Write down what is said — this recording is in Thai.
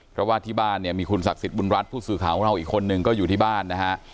เพราะว่าที่บ้านเนี่ยมีคุณศักดิ์สิทธิบุญรัฐผู้สื่อข่าวของเราอีกคนนึงก็อยู่ที่บ้านนะฮะ